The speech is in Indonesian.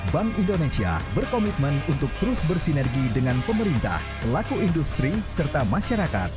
bank indonesia berkomitmen untuk terus bersinergi dengan pemerintah pelaku industri serta masyarakat